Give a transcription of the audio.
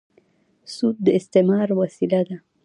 سود د استثمار وسیله ده.